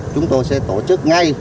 chúng tôi sẽ tổ chức ngay